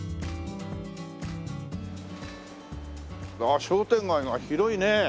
ああ商店街が広いね。